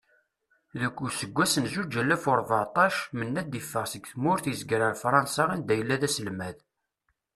Deg useggas n zuǧ alaf u rbeɛṭac, Menad iffeɣ seg tmurt izger ar Fransa and yella d-analmad.